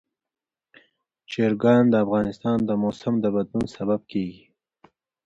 چرګان د افغانستان د موسم د بدلون سبب کېږي.